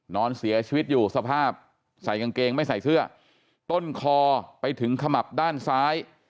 นอนเสียชีวิตอยู่สภาพใส่กางเกงไม่ใส่เสื้อต้นคอไปถึงขมับด้านซ้าย